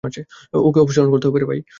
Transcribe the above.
ওকে অপসারণ করতে হবে।